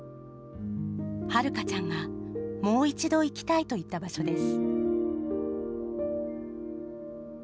はるかちゃんがもう一度行きたいと言った場所です。